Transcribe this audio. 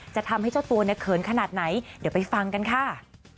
จะทำให้เจ้าตัวเนี่ยเขินขนาดไหนเดี๋ยวไปฟังกันค่ะ